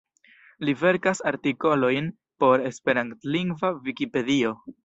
Li verkas artikolojn por esperantlingva Vikipedio.